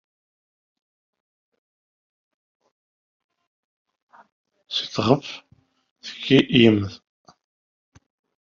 Yeskuḍḍef-iyi Yuba seg ufus.